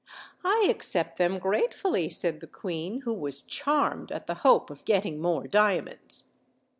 "I accept them gratefully," said the queen, who was charmed at the hope of getting more diamonds.